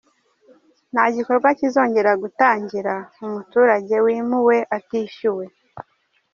Nta gikorwa kizongera gutangira umuturage wimuwe atishyuwe.